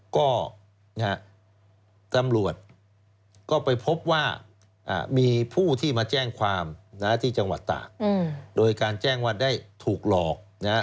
ก็นะฮะตำรวจก็ไปพบว่ามีผู้ที่มาแจ้งความที่จังหวัดตากโดยการแจ้งว่าได้ถูกหลอกนะฮะ